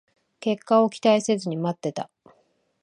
結果を期待せずに待ってた